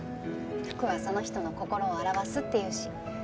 服はその人の心を表すっていうし。